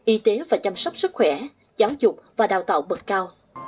y tế và chăm sóc sức khỏe giáo dục và đào tạo bậc cao